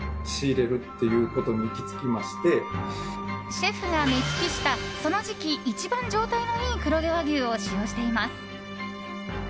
シェフが目利きしたその時期一番、状態のいい黒毛和牛を使用しています。